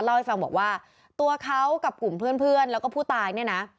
เล่าให้ฟังบอกว่าตัวเขากับกลุ่มเพื่อนแล้วก็ผู้ตายเนี่ยนะ